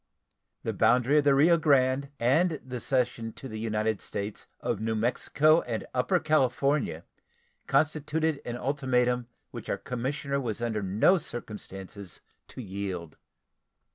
The boundary of the Rio Grande and the cession to the United States of New Mexico and Upper California constituted an ultimatum which our commissioner was under no circumstances to yield.